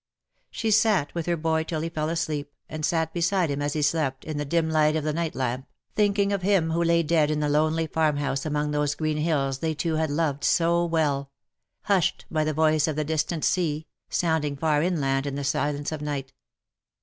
She sat with her boy till he fell asleep, and sat beside him as he slept, in the dim light of the night lamp, thinking of him who lay dead in the lonely farmhouse among those green hills they two had loved so well — hushed by the voice of the distant sea, sounding far inland in the silence of night.